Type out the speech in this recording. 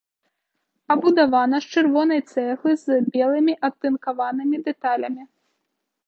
Пабудавана з чырвонай цэглы з белымі атынкаванымі дэталямі.